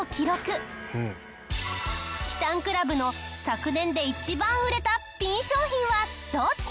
キタンクラブの昨年で一番売れたピン商品はどっち？